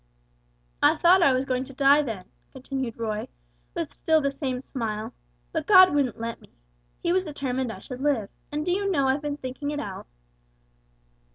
"I thought I was going to die then," continued Roy, with still the same smile; "but God wouldn't let me. He was determined I should live, and do you know I've been thinking it out.